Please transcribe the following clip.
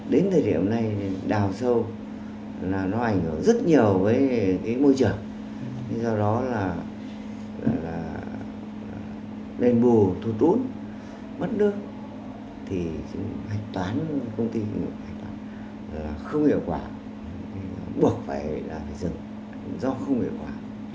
đến thời điểm này đào sâu nó ảnh hưởng rất nhiều với môi trường do đó là nền bù thu tún mất nước thì hành toán công ty không hiệu quả buộc phải dừng do không hiệu quả